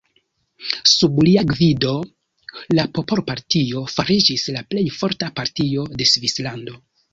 Sub lia gvido la Popolpartio fariĝis la plej forta partio de Svislando.